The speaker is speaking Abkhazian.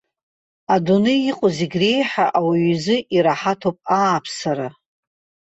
Адунеи иҟоу зегь реиҳа ауаҩ изы ираҳаҭуп ааԥсара.